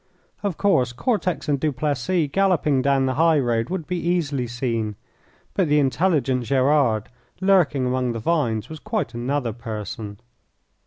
Of course, Cortex and Duplessis galloping down the high road would be easily seen, but the intelligent Gerard lurking among the vines was quite another person.